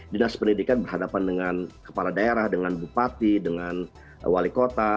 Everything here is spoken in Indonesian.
dinas pendidikan berhadapan dengan kepala daerah dengan bupati dengan wali kota